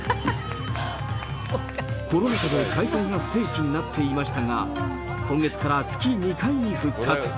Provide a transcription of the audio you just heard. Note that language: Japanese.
コロナ禍で開催が不定期になっていましたが、今月から月２回に復活。